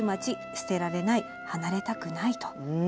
捨てられない離れたくない」と。